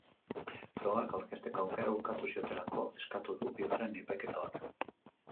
Frogak aurkezteko aukera ukatu ziotelako eskatu du bigarren epaiketa bat.